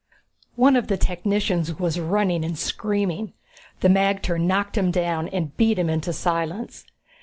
XVIII One of the technicians was running and screaming. The magter knocked him down and beat him into silence.